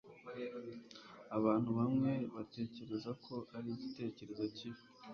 abantu bamwe batekereza ko ari igitekerezo kibi